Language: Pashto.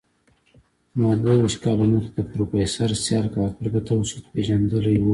ما دوه ویشت کاله مخکي د پروفیسر سیال کاکړ په توسط پېژندلی و